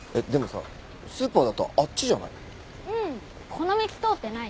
この道通ってない。